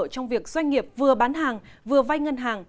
trong việc doanh nghiệp vừa bán hàng vừa vay ngân hàng